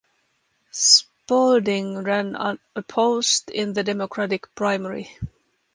Spaulding ran unopposed in the Democratic primary.